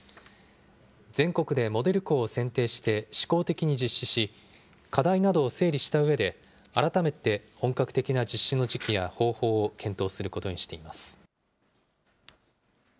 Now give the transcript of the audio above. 全国でモデル校を選定して試行的に実施し、課題などを整理したうえで、改めて本格的な実施の時期や方法を検討することにしています。